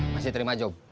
masih terima job